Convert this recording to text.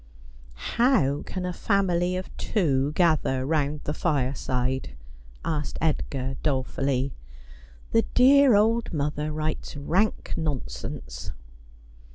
How can a family of two gather round the fireside ?' asked Edgar dolefully. ' The dear old mother writes rank non sense.'